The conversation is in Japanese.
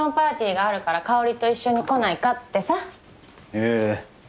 へえ。